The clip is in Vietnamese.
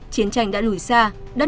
chiến tranh đã lùi xa